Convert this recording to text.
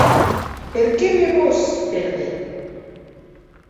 Per qué me vòs pèrder?